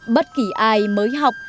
bất kỳ ai mới học